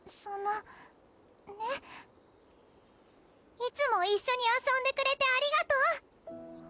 いつも一緒に遊んでくれてありがとう